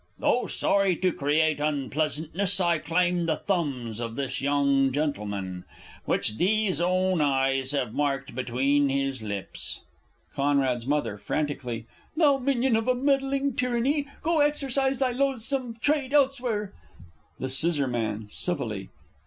Though sorry to create unpleasantness, I claim the thumbs of this young gentleman, Which these own eyes have marked between his lips. C.'s M. (frantically). Thou minion of a meddling tyranny, Go exercise thy loathsome trade elsewhere! The S. (civilly).